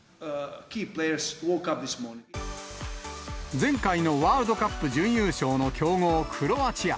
前回のワールドカップ準優勝の強豪クロアチア。